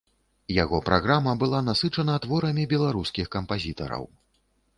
Яго праграма была насычана творамі беларускіх кампазітараў.